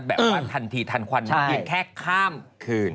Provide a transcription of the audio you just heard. แบบว่าทันทีทันขวัญไปแค่ข้ามคืน